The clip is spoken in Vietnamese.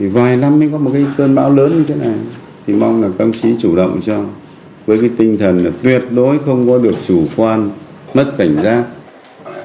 với cái tinh thần là tuyệt đối không có được chủ quan mất cảnh giác